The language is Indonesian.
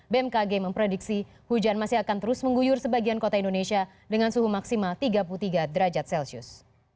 bmkg memprediksi hujan masih akan terus mengguyur sebagian kota indonesia dengan suhu maksimal tiga puluh tiga derajat celcius